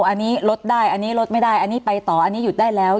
อันนี้ลดได้อันนี้ลดไม่ได้อันนี้ไปต่ออันนี้หยุดได้แล้ว